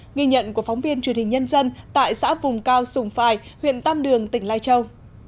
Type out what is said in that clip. nghi nhận của phóng viên truyền hình nhân dân tại xã vùng cao sùng phài huyện tam đường tỉnh lai châu